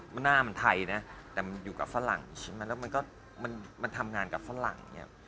มันหน้ามันไทยนะแต่มันอยู่กับฝรั่งใช่ไหมแล้วมันก็มันทำงานกับฝรั่งเนี่ย